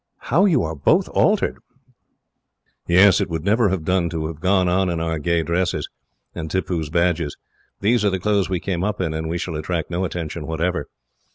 How you are both altered!" "Yes. It would never have done to have gone on in our gay dresses, and Tippoo's badges. These are the clothes we came up in, and we shall attract no attention whatever.